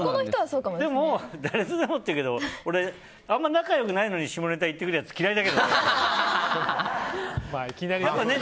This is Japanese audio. でも誰とでもっていうけどあまり仲良くないのに下ネタ言ってくるやつ嫌いだけどね。